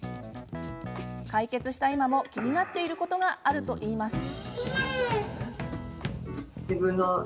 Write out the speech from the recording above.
解決した今も気になっていることがあるといいます。